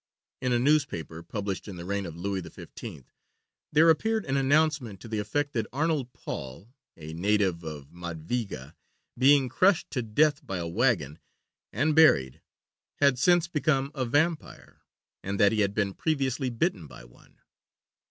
In a newspaper published in the reign of Louis XV there appeared an announcement to the effect that Arnold Paul, a native of Madveiga, being crushed to death by a wagon and buried, had since become a vampire, and that he had been previously bitten by one.